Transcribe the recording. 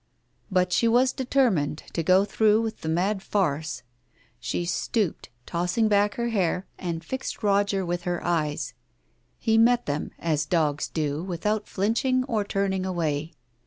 But she was determined to go through with the mad farce. She stooped, tossed back her hair and fixed Roger with her eyes. He met them as dogs do without flinching or turning away.